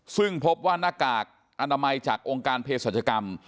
ซึ่งพบว่าหน้ากากอนามัยจากองค์การเพศรัชกรรม